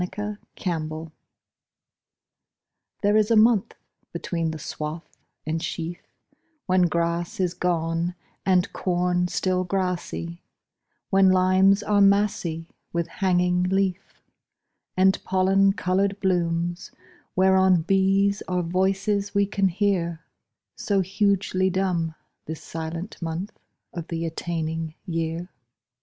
Michael Field July THERE is a month between the swath and sheaf When grass is gone And corn still grassy; When limes are massy With hanging leaf, And pollen coloured blooms whereon Bees are voices we can hear, So hugely dumb This silent month of the attaining year.